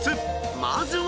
まずは］